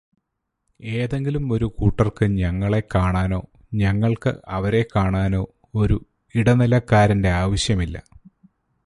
ഏതെങ്കിലും ഒരു കൂട്ടർക്ക് ഞങ്ങളെക്കാണാനോ, ഞങ്ങൾക്ക് അവരെക്കാണാനോ ഒരു ഇടനിലക്കാരന്റെ ആവശ്യമില്ല.